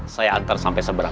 saya antar sampai seberang